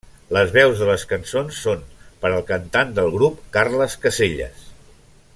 Les veus de les cançons són par el cantant del grup Carles Caselles.